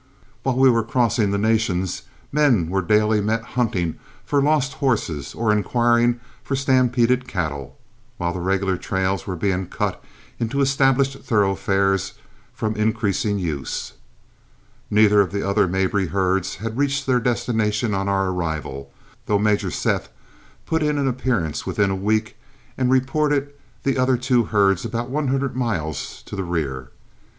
While we were crossing the Nations, men were daily met hunting for lost horses or inquiring for stampeded cattle, while the regular trails were being cut into established thoroughfares from increasing use. Neither of the other Mabry herds had reached their destination on our arrival, though Major Seth put in an appearance within a week and reported the other two about one hundred miles to the rear.